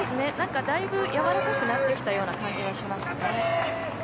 だいぶやわらかくなってきたような感じはしますね。